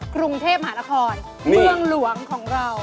กรุงเทพมหานครเมืองหลวงของเรา